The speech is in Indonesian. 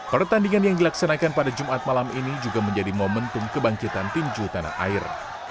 penaikan pada jumat malam ini juga menjadi momentum kebangkitan tinju tanah air